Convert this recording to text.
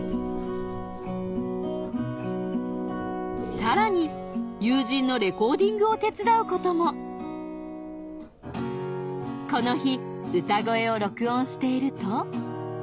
さらに友人のレコーディングを手伝うこともこの日歌声を録音していると